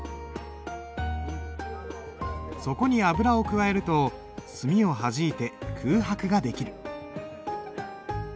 そこに油を加えると墨をはじいて空白が出来る。